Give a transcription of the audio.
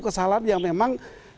kesalahan yang memang